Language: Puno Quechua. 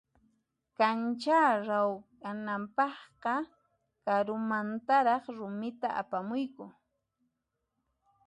Kancha rawkhanapaqqa karumantaraq rumita apamuyku.